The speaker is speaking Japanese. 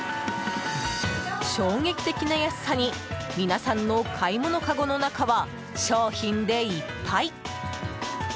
衝撃的な安さに皆さんの買い物かごの中は商品でいっぱい。